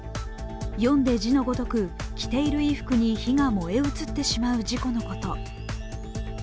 読んで字のごとく、着ている衣服に火が燃え移ってしまう事故のこと。